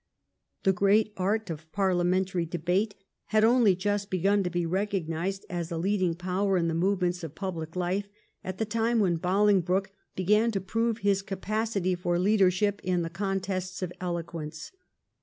The great art of parliamen tary debate had only just begun to be recognised as a leading power in the movements of public life at the time when Bolingbroke began to prove his capacity for leadership in the contests of eloquence.